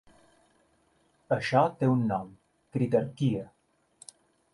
Això té un nom, ‘critarquia’.